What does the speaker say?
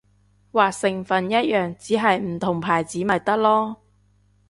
話成分一樣，只係唔同牌子咪得囉